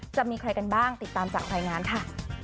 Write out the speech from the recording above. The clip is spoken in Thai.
จะมีใครกันบ้างติดตามจากรายงานค่ะ